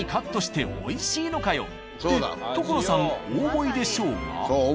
って所さんお思いでしょうが。